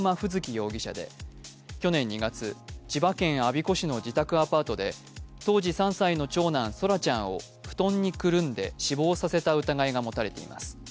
容疑者で去年２月、千葉県我孫子市の自宅アパートで当時３歳の長男・奏良ちゃんを布団にくるんで死亡させた疑いが持たれています。